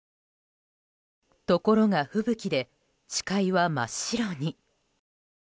ところが吹雪で視界は真っ白に。